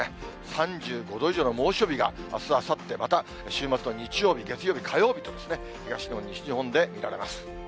３５度以上の猛暑日があす、あさって、また週末の日曜日、月曜日、火曜日と東日本、西日本で見られます。